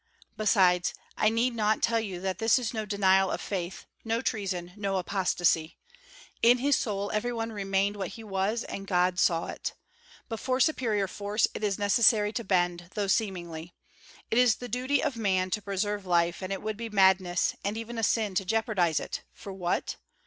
"Besides, I need not tell you that this is no denial of faith, no treason, no apostasy. In his soul every one remained what he was and God saw it. Before superior force it is necessary to bend, though seemingly. It is the duty of man to preserve life and it would be madness, and even a sin, to jeopardize it for what?